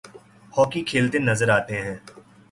hockey کھیلتے نظر آتے ہیں